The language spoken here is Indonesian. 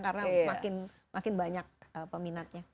karena makin banyak peminatnya